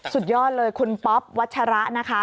สุดยอดเลยคุณป๊อปวัชระนะคะ